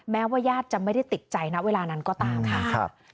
แม้ว่าญาติจะไม่ได้ติดใจณเวลานั้นก็ตามค่ะ